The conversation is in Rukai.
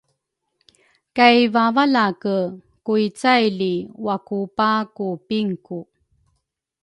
kay vavalake ku icaily wakupa ku pinku.